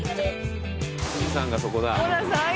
富士山がそこだ。